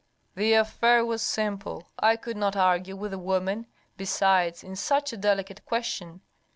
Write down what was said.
The affair was simple. I could not argue with a woman, besides, in such a delicate question.